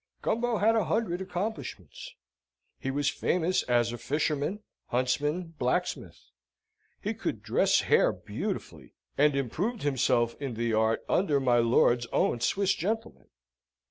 Gumbo had a hundred accomplishments. He was famous as a fisherman, huntsman, blacksmith. He could dress hair beautifully, and improved himself in the art under my lord's own Swiss gentleman.